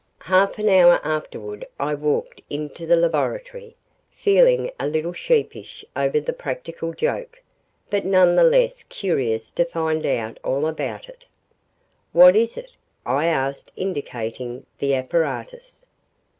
Half an hour afterward I walked into the laboratory, feeling a little sheepish over the practical joke, but none the less curious to find out all about it. "What is it?" I asked indicating the apparatus.